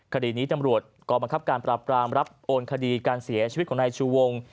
คดีนี้ตำรวจกองบังคับการปราบปรามรับโอนคดีการเสียชีวิตของนายชูวง